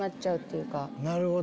なるほど。